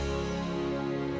soalnya belum tubuh